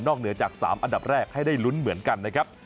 เหนือจาก๓อันดับแรกให้ได้ลุ้นเหมือนกันนะครับ